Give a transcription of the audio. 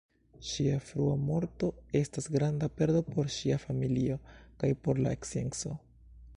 Ŝia frua morto estas granda perdo por ŝia familio kaj por la scienco.